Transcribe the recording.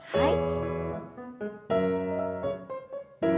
はい。